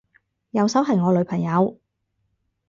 右手係我女朋友